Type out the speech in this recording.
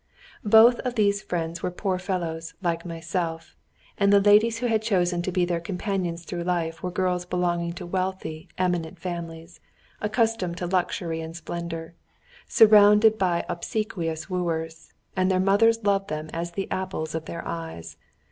Both of these friends were poor fellows, like myself; and the ladies who had chosen to be their companions through life were girls belonging to wealthy, eminent families, accustomed to luxury and splendour, surrounded by obsequious wooers, and their mothers loved them as the apples of their eyes.